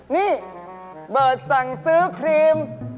นี่เบิร์ดสั่งซื้อครีม